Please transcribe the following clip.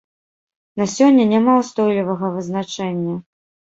На сёння няма ўстойлівага вызначэння.